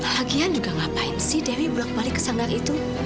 bahagian juga ngapain sih dewi bulak balik ke sanggar itu